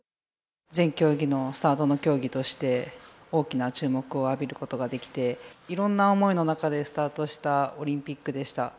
全競技のスタートとして大きな注目を浴びることができて、いろんな思いの中でスタートしたオリンピックでした。